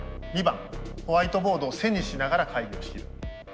２番ホワイトボードを背にしながら会議を仕切る。